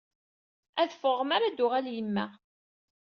Ad ffɣeɣ mi ara d-tuɣal yemma.